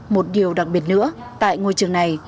một điều đặc biệt nữa tại ngôi trường này